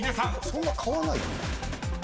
そんな買わないよね。